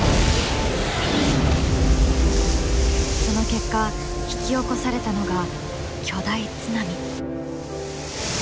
その結果引き起こされたのが巨大津波。